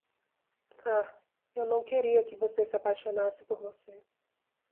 Ah, eu não queria que você se apaixonasse por você!